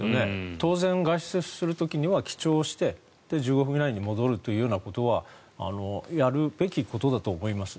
当然、外出するときには記帳をして１５分以内に戻るということはやるべきことだと思います。